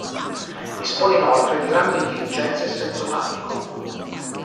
Dispone inoltre di grande intelligenza e senso tattico.